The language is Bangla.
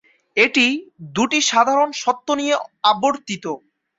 এটি দুটি সাধারণ সত্য নিয়ে আবর্তিত।